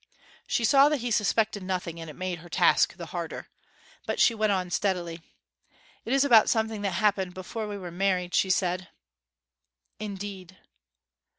She saw that he suspected nothing, and it made her task the harder. But on she went steadily. 'It is about something that happened before we were married,' she said. 'Indeed!'